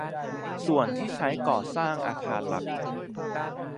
ส่วนที่ใช้ก่อสร้างอาคารหลัก